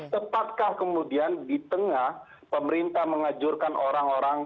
tepatkah kemudian di tengah pemerintah mengajurkan orang orang